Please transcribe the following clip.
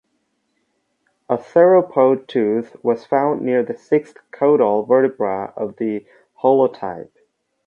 A theropod tooth was found near the sixth caudal vertebra of the holotype.